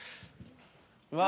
うわ！